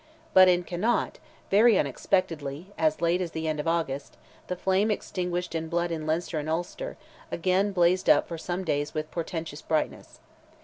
But in Connaught, very unexpectedly, as late as the end of August, the flame extinguished in blood in Leinster and Ulster, again blazed up for some days with portentous brightness.